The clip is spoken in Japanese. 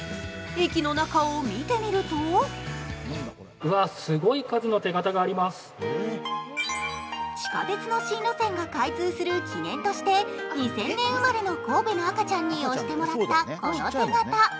駅の中を見てみると地下鉄の新路線が開通する記念として、２０００年生まれの神戸の赤ちゃんに押してもらった、この手形。